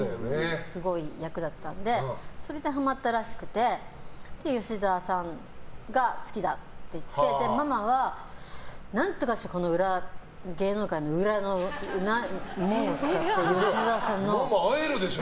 すごい役だったのでそれでハマったらしくてで、吉沢さんが好きだって言ってママは何とかして芸能界の裏のを使って吉沢さんの。ママ会えるでしょ